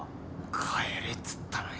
帰れっつったのに。